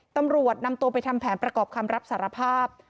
ตำรวจนำตัวไปทำแผนประกอบคำรับสารภาพ